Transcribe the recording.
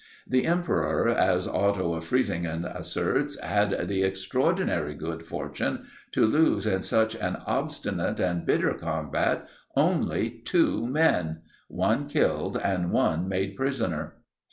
The emperor, as Otto of Frisingen asserts, had the extraordinary good fortune to lose in such an obstinate and bitter combat only two men, one killed and one made prisoner.